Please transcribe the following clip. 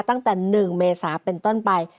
ตั้งแต่๑เมษาเป็นต้นไป